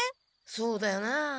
そうだよな。